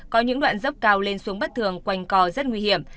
có những đoạn dốc cao lên xuống bất thường quanh co rất nguy hiểm